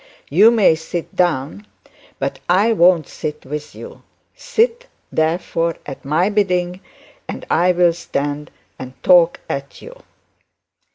You may sit down, but I won't sit with you. Sit, therefore, at my bidding, and I'll stand and talk to you."